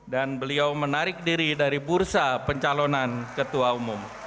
dan beliau menarik diri dari bursa pencalonan ketua umum